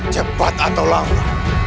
cepat atau lama